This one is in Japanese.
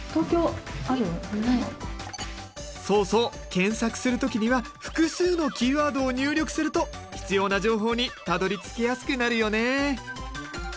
検索する時には複数のキーワードを入力すると必要な情報にたどりつきやすくなるよね。